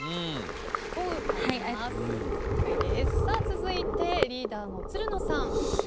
続いてリーダーのつるのさん。